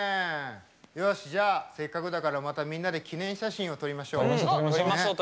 よし、じゃあせっかくだから、またみんなで記念撮影を撮りましょう。